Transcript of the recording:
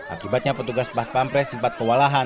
akibatnya petugas paspampres sempat kewalahan